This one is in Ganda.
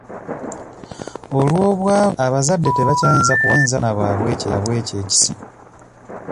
Olw'obwavu, abazadde tebakyayinza kuwa baana baabwe ekyo ekisingayo.